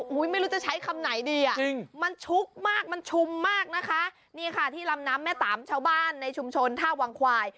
ไม่รู้จะใช้คำไหนดีอ่ะจริงมันชุกมากมันชุมมากนะคะนี่ค่ะที่ลำน้ำแม่ตามชาวบ้านในชุมชนท่าวังควาย